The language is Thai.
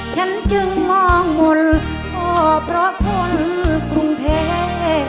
ฉันจึงมองหมุนโอ้เพราะคนกรุงเทพศัตริย์